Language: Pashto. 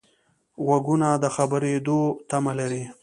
غوږونه د خبرېدو تمه لري